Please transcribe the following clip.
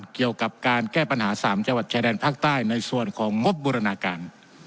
เกี่ยวกับการแก้ปัญหา๓จังหวัดชายแดนภาคใต้ในส่วนของงบบูรณาการ